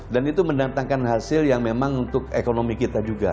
dan itu mendatangkan hasil yang memang untuk ekonomi kita juga